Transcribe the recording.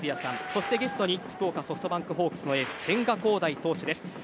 そしてゲストに福岡ソフトバンクホークスのエース千賀滉大投手です。